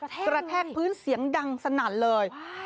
กระแทกพื้นเสียงดังสนั่นเลย